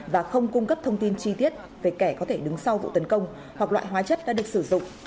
và không cung cấp thông tin chi tiết về kẻ có thể đứng sau vụ tấn công hoặc loại hóa chất đã được sử dụng